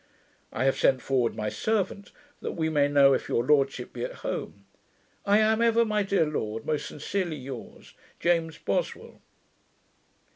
I have sent forward my servant, that we may know if your lordship be at home. I am ever, my dear lord, Most sincerely yours, James Boswell.